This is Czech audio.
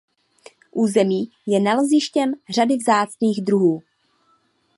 Území je nalezištěm řady vzácných druhů.